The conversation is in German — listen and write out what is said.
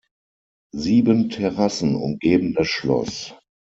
Sieben Terrassen umgeben das Schloss.